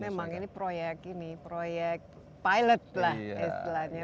memang ini proyek ini proyek pilot lah istilahnya